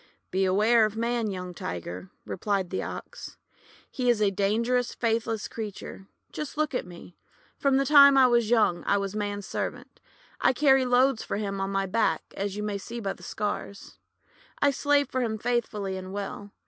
"Beware of Man, young Tiger," replied the Ox. "He is a dangerous, faithless creature. Just look at me. From the time I was young, I was Man's servant. I carried loads for him on my back, as you may see by these scars. I slaved for him faithfully and well.